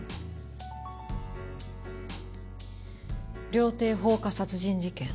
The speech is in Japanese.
料亭放火殺人事件。